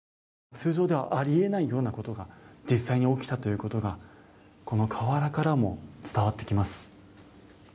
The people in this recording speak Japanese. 通常ではあり得ないようなことが実際に起きたということがこの瓦からも伝わってきます。